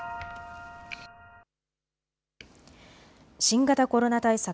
新型コロナ対策。